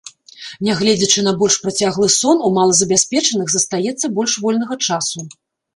Нягледзячы на больш працяглы сон, у малазабяспечаных застаецца больш вольнага часу.